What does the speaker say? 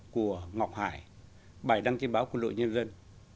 của ngọc hải bài đăng trên báo quân đội nhân dân